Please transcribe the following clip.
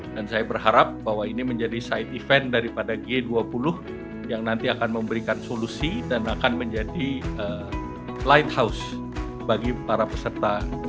dan saya berharap bahwa ini menjadi side event daripada g dua puluh yang nanti akan memberikan solusi dan akan menjadi lighthouse bagi para peserta g dua puluh